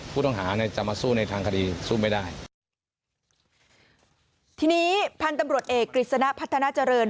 พันธุ์ตำรวจเอกกฤษณะพัฒนาเจริญ